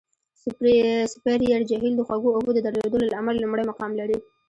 سوپریر جهیل د خوږو اوبو د درلودلو له امله لومړی مقام لري.